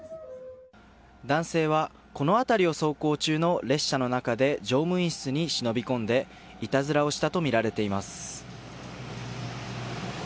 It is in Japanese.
男性はこの辺りを走行中の列車の中で乗務員室に忍び込んでいたずらをしたとみられています。